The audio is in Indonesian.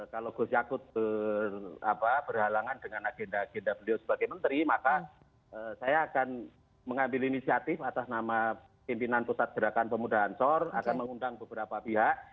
kalau gus yakut berhalangan dengan agenda agenda beliau sebagai menteri maka saya akan mengambil inisiatif atas nama pimpinan pusat gerakan pemuda ansor akan mengundang beberapa pihak